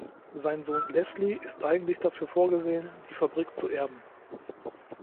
Sein Sohn Leslie ist eigentlich dafür vorgesehen, die Fabrik zu erben.